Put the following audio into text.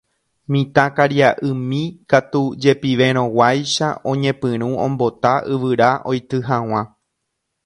Mitãkaria'ymi katu jepiverõguáicha oñepyrũ ombota yvyra oity hag̃ua.